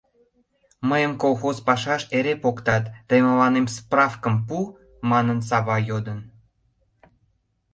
— Мыйым колхоз пашаш эре поктат... тый мыланем справкым пу, — манын, Сава йодын.